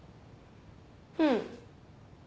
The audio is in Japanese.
うん。